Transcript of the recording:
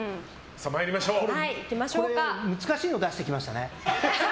難しいの出してきましたね。